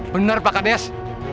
benar pak hades